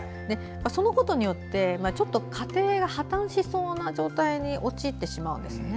そのことによって、ちょっと家庭が破綻しそうな状態に陥ってしまうんですね。